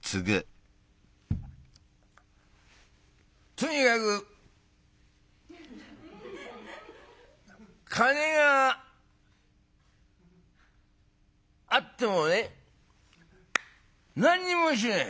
「とにかく金があってもね何にもしねえ。